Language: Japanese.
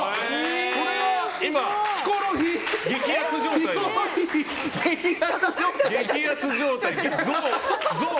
これは、今ヒコロヒー激アツ状態！